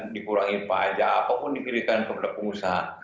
dikurangi pajak apapun yang diberikan kepada pengusaha